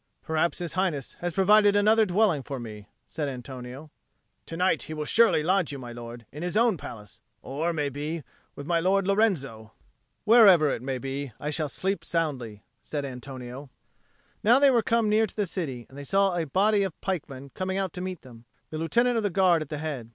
"Perhaps His Highness has provided another dwelling for me," said Antonio. "To night he will surely lodge you, my lord, in his own palace, or, may be, with my Lord Lorenzo." "Wherever it may be, I shall sleep soundly," said Antonio. Now they were come near to the city, and they saw a body of pikemen coming out to meet them, the Lieutenant of the Guard at the head.